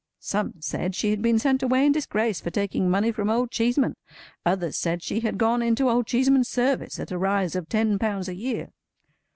Some said she had been sent away in disgrace for taking money from Old Cheeseman; others said she had gone into Old Cheeseman's service at a rise of ten pounds a year.